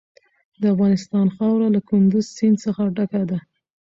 د افغانستان خاوره له کندز سیند څخه ډکه ده.